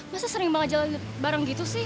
masa sering banget jalan bareng gitu sih